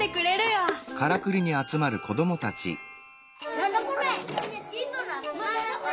何だこれ！